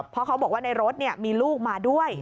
เพราะเขาบอกว่าในรถมีลูกมาด้วย